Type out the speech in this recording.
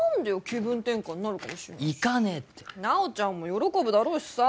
気分転換になるかもしれないし行かねえって奈緒ちゃんも喜ぶだろうしさ